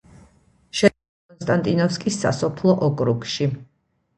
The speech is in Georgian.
შედის კონსტანტინოვკის სასოფლო ოკრუგში.